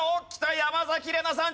山崎怜奈さん